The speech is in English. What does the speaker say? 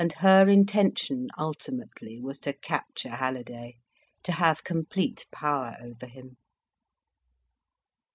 And her intention, ultimately, was to capture Halliday, to have complete power over him.